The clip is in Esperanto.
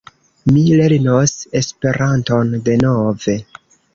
Mi lernos Esperanton denove.